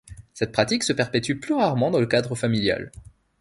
Cette pratique se perpétue plus rarement dans le cadre familial.